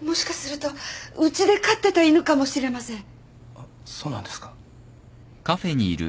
あっそうなんですか。